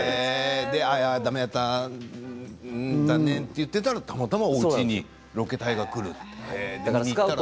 だめだった残念って言っていたらたまたまおうちにロケ隊が来ると。